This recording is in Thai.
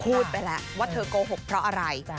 พูดไปแล้วว่าเธอโกหกเพราะอะไร